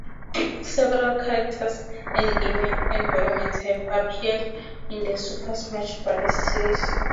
Several characters and game environments have appeared in the "Super Smash Brothers" series.